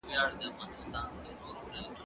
زه به سبا کتاب وليکم!.